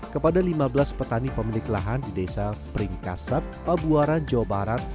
kepada lima belas petani pemilik lahan di desa peringkasap pabuaran jawa barat